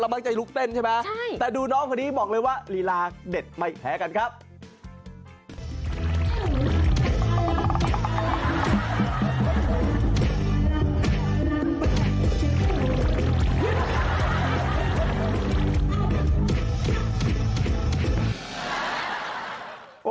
มักจะลุกเต้นใช่ไหมใช่แต่ดูน้องคนนี้บอกเลยว่าลีลาเด็ดไม่แพ้กันครับ